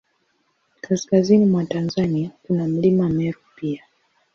Kaskazini mwa Tanzania, kuna Mlima Meru pia.